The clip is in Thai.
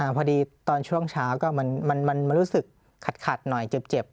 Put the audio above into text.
อ่าพอดีตอนช่วงเช้าก็มันมันมันมันรู้สึกขัดขัดหน่อยเจ็บเจ็บ